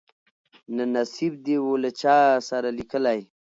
نه نصیب دي وو له چا سره لیکلی